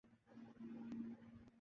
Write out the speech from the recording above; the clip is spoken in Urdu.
جس علم سے ہم آشنا ہیں۔